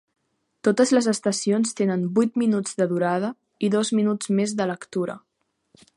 Totes les estacions tenen vuit minuts de durada, i dos minuts més de lectura.